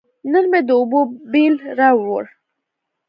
نن مې د اوبو بیل راووړ.